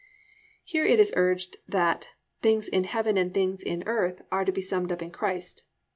"+ Here it is urged that things in heaven and things in earth are to be summed up in Christ.